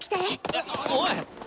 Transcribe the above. えっ？おい！